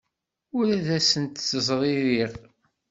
Ur ad asent-ttezririɣ.